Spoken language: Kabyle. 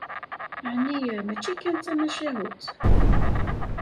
Ɛni mačči kan d tamacahut?